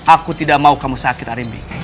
aku tidak mau kamu sakit arim bi